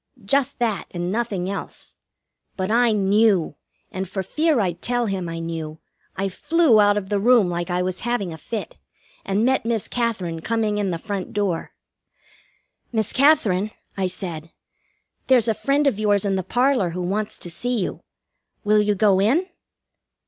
Just that, and nothing else. But I knew, and for fear I'd tell him I knew, I flew out of the room like I was having a fit, and met Miss Katherine coming in the front door. "Miss Katherine," I said, "there's a friend of yours in the parlor who wants to see you. Will you go in?"